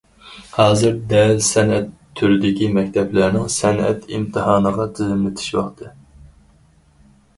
ھازىر دەل سەنئەت تۈرىدىكى مەكتەپلەرنىڭ سەنئەت ئىمتىھانىغا تىزىملىتىش ۋاقتى.